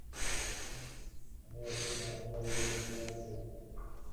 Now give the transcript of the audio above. আমি ওকে মানা করেছিলাম যেতে।